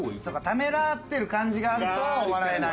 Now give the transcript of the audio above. ためらってる感じがあると笑えない。